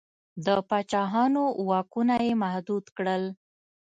د پاچاهانو واکونه یې محدود کړل.